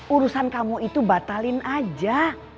urusan kamu itu batalin aja